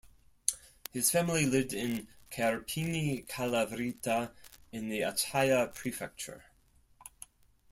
His family lived in Kerpini, Kalavryta in the Achaia prefecture.